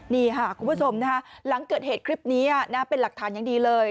นี่ค่ะคุณผู้ชมนะคะหลังเกิดเหตุคลิปนี้เป็นหลักฐานอย่างดีเลย